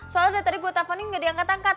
soalnya dari tadi gue telfonin gak diangkat angkat